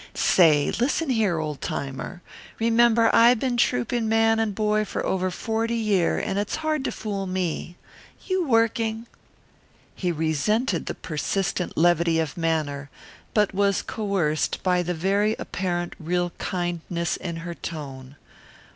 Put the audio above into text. "Say, listen here, Old timer, remember I been trouping man and boy for over forty year and it's hard to fool me you working?" He resented the persistent levity of manner, but was coerced by the very apparent real kindness in her tone.